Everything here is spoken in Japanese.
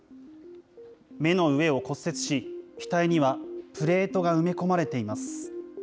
目の上を骨折し、額にはプレートが埋め込まれています。